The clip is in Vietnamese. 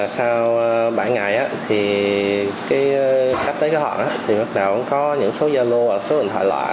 sau bảy ngày sắp tới kế hoạch thì bắt đầu có những số giao lô số điện thoại loại